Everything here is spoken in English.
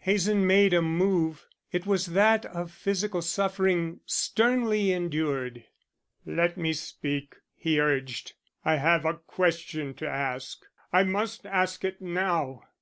Hazen made a move. It was that of physical suffering sternly endured. "Let me speak," he urged. "I have a question to ask. I must ask it now.